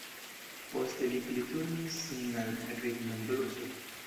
Poste li pli turnis sin al ritmenbluso.